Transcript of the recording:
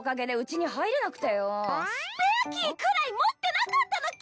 スペアキーくらい持ってなかったのけ！？